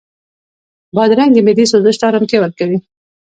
بادرنګ د معدې سوزش ته ارامتیا ورکوي.